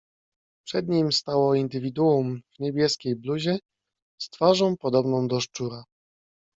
"Przed nim stało indywiduum w niebieskiej bluzie, z twarzą podobną do szczura."